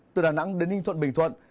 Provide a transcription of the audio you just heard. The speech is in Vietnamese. từ đà nẵng đến ninh thuận bình thuận